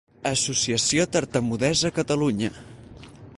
Associació Tartamudesa Catalunya.